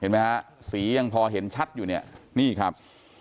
เห็นไหมฮะสียังพอเห็นชัดอยู่เนี่ยนี่ครับ